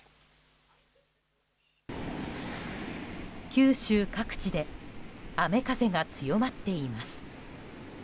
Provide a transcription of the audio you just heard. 九州各地で雨風が強まっています。